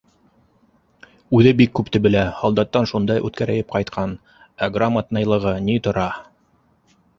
Үҙе бик күпте белә, һалдаттан шундай үткерәйеп ҡайтҡан, ә грамотныйлығы ни тора?